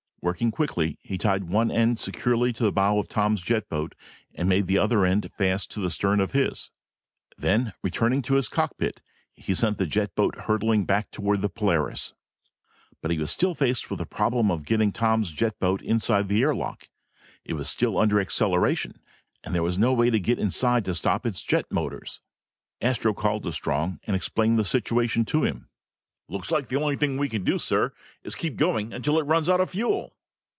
Working quickly, he tied one end securely to the bow of Tom's jet boat and made the other end fast to the stern of his. Then returning to his cockpit, he sent the jet boat hurtling back toward the Polaris. But he was still faced with the problem of getting Tom's jet boat inside the air lock. It was still under acceleration and there was no way to get inside to stop its jet motors. Astro called to Strong and explained the situation to him. "Looks like the only thing we can do, sir, is keep going until it runs out of fuel."